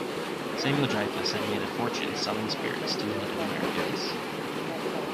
Samuel Dreyfuss had made a fortune selling spirits to the Native Americans.